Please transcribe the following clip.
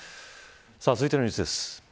続いてのニュースです。